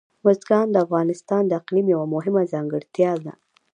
بزګان د افغانستان د اقلیم یوه مهمه ځانګړتیا ده.